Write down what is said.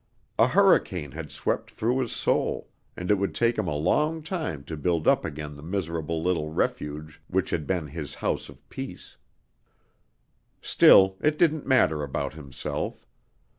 A hurricane had swept through his soul, and it would take him a long time to build up again the miserable little refuge which had been his house of peace. Still, it didn't matter about himself.